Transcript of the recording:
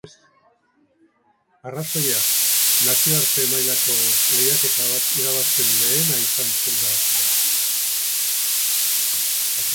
Arrazoia, nazioarte mailako lehiaketa bat irabazten lehena izan zela da.